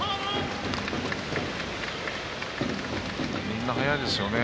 みんな速いですよね。